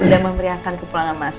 udah memeriahkan ke pulangan masa